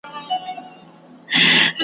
منــظر فـریادي خیر دی که د خلکو د خندا یم